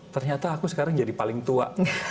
ternyata aku sekarang jadi paling tua